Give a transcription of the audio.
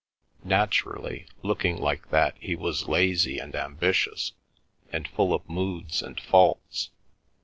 Naturally, looking like that he was lazy, and ambitious, and full of moods and faults.